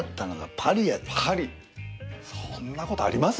パリそんなことあります？